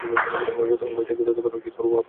যতক্ষণ ভয় থাকিবে, ততক্ষণ উহা প্রেম নয়।